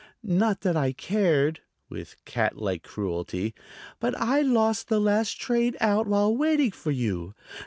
"Not that I cared," with cat like cruelty; "but I lost the last train out while waiting for you.